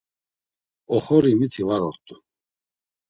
Oxori miti var ort̆u.